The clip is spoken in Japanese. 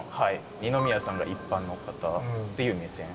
二宮さんが一般の方っていう目線。